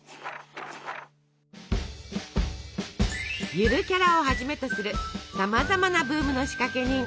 ゆるキャラをはじめとするさまざまなブームの仕掛け人。